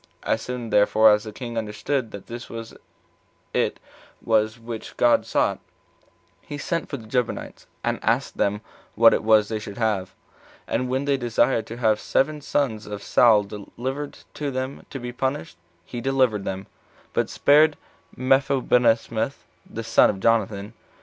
As soon therefore as the king understood that this it was which God sought, he sent for the Gibeonites, and asked them what it was they should have; and when they desired to have seven sons of Saul delivered to them to be punished, he delivered them up, but spared Mephibosheth the son of Jonathan.